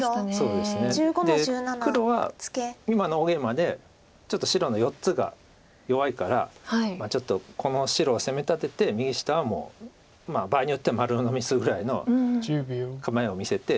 で黒は今の大ゲイマでちょっと白の４つが弱いからちょっとこの白を攻め立てて右下はもう場合によっては丸のみするぐらいの構えを見せて。